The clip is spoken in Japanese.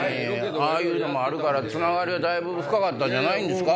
ああいうのもあるからつながりは深かったんじゃないんですか？